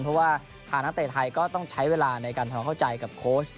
เพราะว่าทางนักเตะไทยก็ต้องใช้เวลาในการทำความเข้าใจกับโค้ช